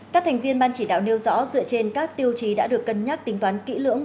các thành viên ban chỉ đạo nêu rõ dựa trên các tiêu chí đã được cân nhắc tính toán kỹ lưỡng